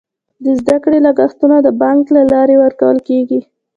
د زده کړې لګښتونه د بانک له لارې ورکول کیږي.